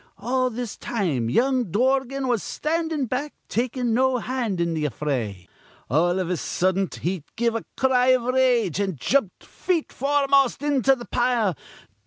All this time young Dorgan was standin' back, takin' no hand in th' affray. All iv a suddent he give a cry iv rage, an' jumped feet foremost into th' pile.